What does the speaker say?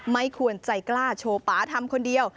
ไม่ควรใจกล้าโชว์ป่าทำคนเดียว